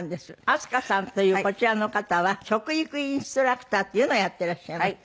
明日香さんというこちらの方は食育インストラクターっていうのをやっていらっしゃいます。